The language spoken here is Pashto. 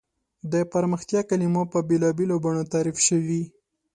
د پرمختیا کلیمه په بېلابېلو بڼو تعریف شوې.